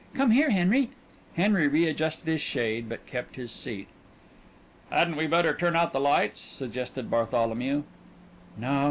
"Come here, Henry!" Henry readjusted his shade, but kept his seat. "Hadn't we better turn out the lights?" suggested Bartholomew. "No.